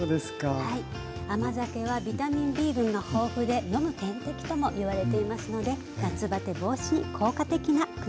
甘酒はビタミンＢ群が豊富で飲む点滴ともいわれていますので夏バテ防止に効果的な組み合わせです。